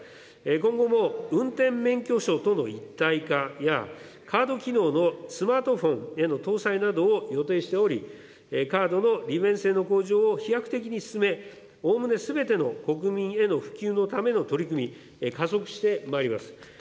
今後も運転免許証との一体化やカード機能のスマートフォンへの搭載などを予定しており、カードの利便性の向上を飛躍的に進め、おおむねすべての国民への普及のための取り組み、加速してまいります。